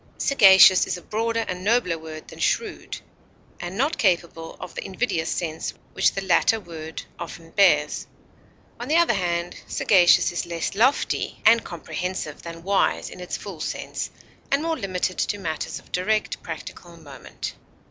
Sagacious is a broader and nobler word than shrewd, and not capable of the invidious sense which the latter word often bears; on the other hand, sagacious is less lofty and comprehensive than wise in its full sense, and more limited to matters of direct practical moment.